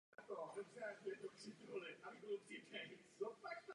Provoz této továrny je považován za celosvětový začátek průmyslové výroby textilií.